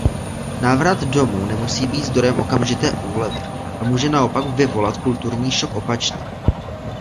Návrat domů nemusí být zdrojem okamžité úlevy a může naopak vyvolat kulturní šok opačný.